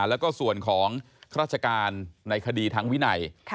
แล้วก็ส่วนของราชการในคดีทางวินัย